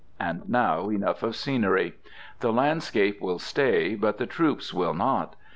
And now enough of scenery. The landscape will stay, but the troops will not.